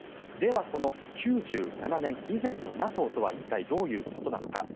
ではこの９７年以前のＮＡＴＯとは一体、どういうことなのか。